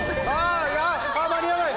ああ、間に合わない！